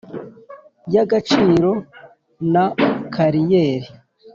y agaciro na kariyeri